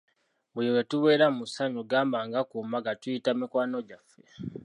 Buli lwe tubeeera mu ssanyu gamba nga ku mbaga tuyita mikwano gyaffe.